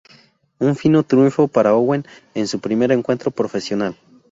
Un fino triunfo para Owen en su primer encuentro profesional.